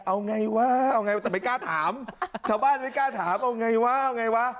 เอาไงว้าวไงแต่ไม่กล้าถามชาวบ้านไม่กล้าถามเอาไงว้าวไงวะ